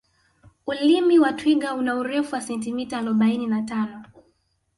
ulimi wa twiga una urefu wa sentimeta arobaini na tano